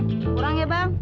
kurang ya bang